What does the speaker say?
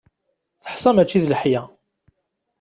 Teḥsa mačči d leḥya.